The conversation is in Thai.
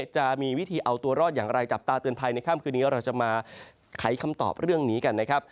จะมีวิธีเอาตัวรอดอย่างไรจับตาเตือนภัยในค่ำคืนนี้เราจะมาไขคำตอบเรื่องนี้กันนะครับ